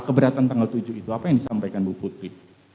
keberatan tanggal tujuh itu apa yang disampaikan bu putri